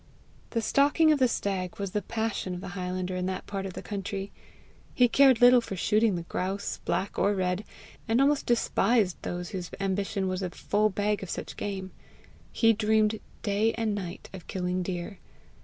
The stalking of the stag was the passion of the highlander in that part of the country. He cared little for shooting the grouse, black or red, and almost despised those whose ambition was a full bag of such game; he dreamed day and night of killing deer.